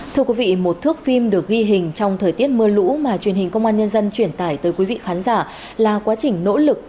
thưa quý vị một thước phim được ghi hình trong thời tiết mưa lũ mà truyền hình công an nhân dân chuyển tải tới quý vị khán giả là quá trình nỗ lực